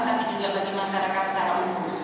tapi juga bagi masyarakat secara umum